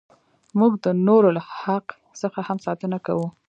موږ د نورو له حق څخه هم ساتنه کوو.